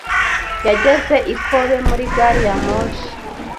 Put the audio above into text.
Yageze i Kobe muri gari ya moshi.